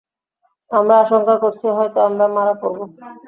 আমরা আশংকা করছি হয়তো আমরা মারা পড়ব।